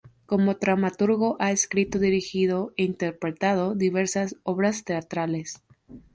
Como dramaturgo ha escrito, dirigido e interpretado diversas obras teatrales.